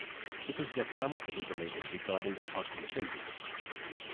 This is just some of the information regarding the parks in Quincy.